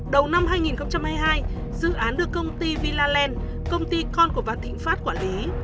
đầu năm hai nghìn hai mươi hai dự án được công ty villa land công ty con của văn thịnh phát quản lý